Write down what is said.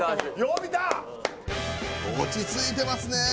落ち着いてますねえ